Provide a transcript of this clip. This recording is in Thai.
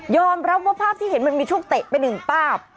ยอมรับว่าภาพที่เห็นมันมีสู้เตะไป๑ปาก